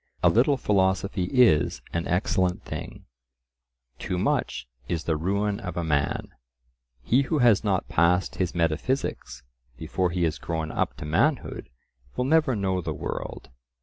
A little philosophy is an excellent thing; too much is the ruin of a man. He who has not "passed his metaphysics" before he has grown up to manhood will never know the world.